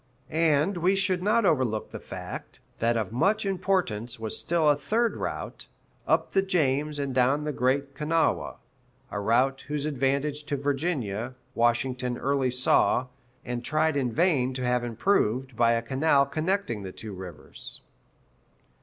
And we should not overlook the fact, that of much importance was still a third route, up the James and down the Great Kanawha; a route whose advantage to Virginia, Washington early saw, and tried in vain to have improved by a canal connecting the two rivers.